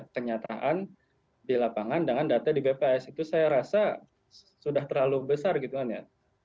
kenyataan di lapangan dengan data di bps itu saya rasa sudah terlalu besar gitu kan ya